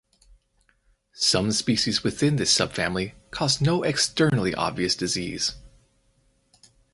Some species within this subfamily cause no externally obvious disease.